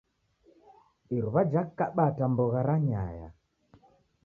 Iruw'a jakaba ata mbogha ranyaya.